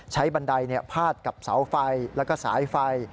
บันไดพาดกับเสาไฟแล้วก็สายไฟ